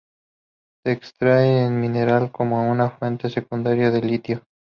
Se extrae en minería como una fuente secundaria de litio.